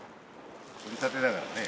取りたてだからね。